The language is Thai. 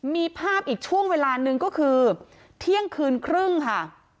มีภาพอีกช่วงเวลาหนึ่งก็คือเที่ยงคืนครึ่งค่ะ